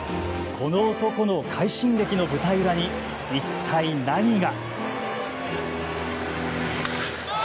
この男の快進撃の舞台裏に一体何が。